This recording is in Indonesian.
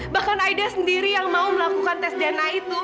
bahkan aida sendiri yang mau melakukan tes dna itu